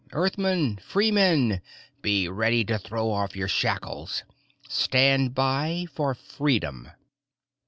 Earthmen, free men, be ready to throw off your shackles.... Stand by for freedom!